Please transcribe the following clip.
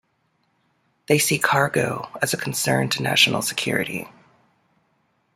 They see cargo as a concern to national security.